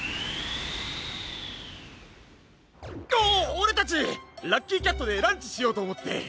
オオレたちラッキーキャットでランチしようとおもって。